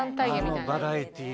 あのバラエティー。